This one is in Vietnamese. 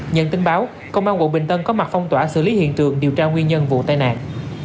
nhận tin báo công an quận bình tân có mặt phong tỏa xử lý hiện trường điều tra nguyên nhân vụ tai nạn